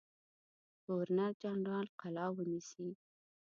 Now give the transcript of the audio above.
ګورنر جنرال قلا ونیسي.